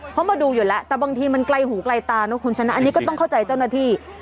เพราะมาดูอยู่แล้วแต่บางทีมันไกลหูไกลตาเนอะคุณชนะอันนี้ก็ต้องเข้าใจเจ้าหน้าที่